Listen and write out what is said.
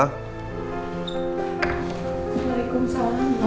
kamu udah ketemu